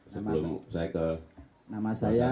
sebelum saya ke masanya bayu